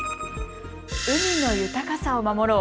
海の豊かさを守ろう。